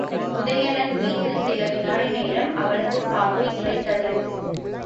உதயணன்மீது சில விநாடி நேரம் அவளது பார்வை நிலைத்தது.